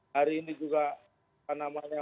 hari ini juga